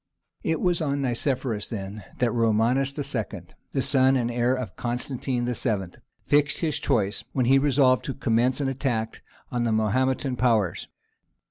It was on Nicephorus then that Romanus II., the son and heir of Constantine VII., fixed his choice, when he resolved to commence an attack on the Mahometan powers.